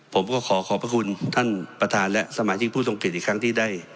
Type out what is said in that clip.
ผมก็ขอขอบพระคุณท่านประธานและสมาชิกผู้ทรงเกียจอีกครั้งที่ได้